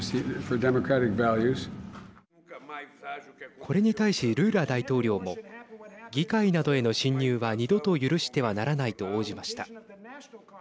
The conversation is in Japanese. これに対しルーラ大統領も議会などへの侵入は二度と許してはならないと応じました。